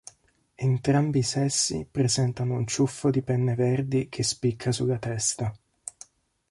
Entrambi i sessi presentano un ciuffo di penne verdi che spicca sulla testa.